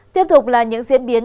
tiếp tục là những diễn biến